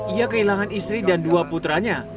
ia kehilangan istri dan dua putranya